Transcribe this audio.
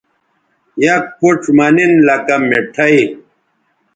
یک پوڇ مہ نن لکہ مٹھائ